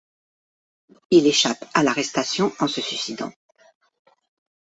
Il échappe à l'arrestation en se suicidant.